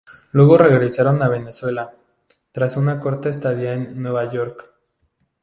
Luego regresaron a Venezuela, tras una corta estadía en Nueva York.